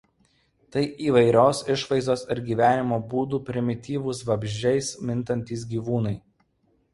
Tai įvairios išvaizdos ir gyvenimo būdo primityvūs vabzdžiais mintantys gyvūnai.